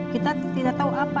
kita tidak tahu apa